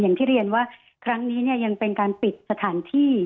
อย่างที่เรียนว่าครั้งนี้เนี่ยยังเป็นการปิดสถานที่